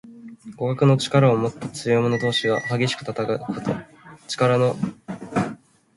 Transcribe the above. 互角の力をもった強い者同士が激しく戦うこと。力の伯仲した英雄・強豪などが、あたかも竜ととらとがぶつかって戦うように勝負すること。